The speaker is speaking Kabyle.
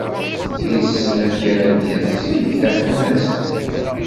Yessen amek ara d-yeẓẓeg tafunast.